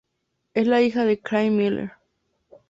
Es la hija de Craig Miller.